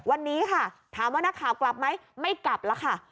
วันนี้ค่ะถามว่านักข่าวกลับไหมไม่กลับแล้วค่ะ